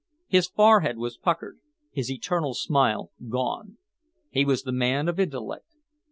His forehead was puckered, his eternal smile gone. He was the man of intellect.